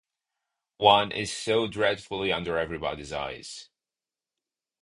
One is so dreadfully under everybody's eyes.